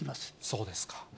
そうですか。